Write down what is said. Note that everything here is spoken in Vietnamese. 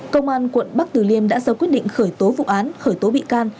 công an quận bắc tử liêm đã sau quyết định khởi tố vụ án khởi tố bị can